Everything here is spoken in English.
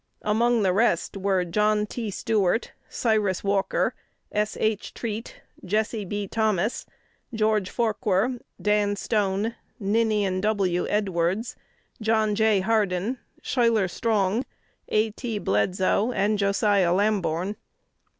Among the rest were John T. Stuart, Cyrus Walker, S. H. Treat, Jesse B. Thomas, George Forquer, Dan Stone, Ninian W. Edwards, John J. Hardin, Schuyler Strong, A. T. Bledsoe, and Josiah Lamborn.